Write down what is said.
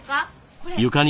これ。